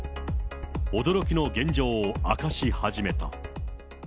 驚きの現状を明かし始めた。